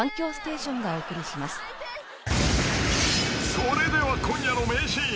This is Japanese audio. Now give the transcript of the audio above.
［それでは今夜の名シーン。